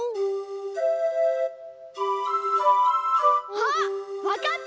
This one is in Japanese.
あっわかった！